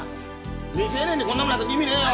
未成年にこんなもんやったって意味ねえよ！